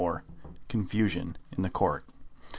CONFUSION IN THE COURT.